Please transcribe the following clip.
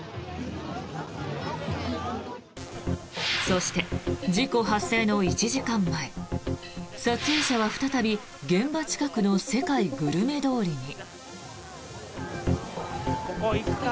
そして、事故発生の１時間前撮影者は再び現場近くの世界グルメ通りに。